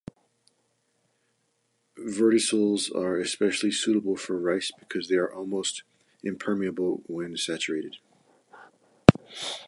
Vertisols are especially suitable for rice because they are almost impermeable when saturated.